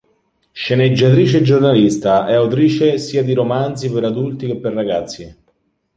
Sceneggiatrice e giornalista, è autrice sia di romanzi per adulti che per ragazzi.